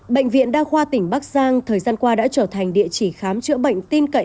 bệnh viện đa khoa tỉnh bắc giang thời gian qua đã trở thành địa chỉ khám chữa bệnh tin cậy